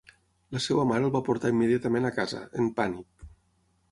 La seva mare el va portar immediatament a casa, en pànic.